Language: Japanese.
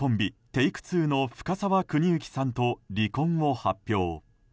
Ｔａｋｅ２の深沢邦之さんと離婚を発表。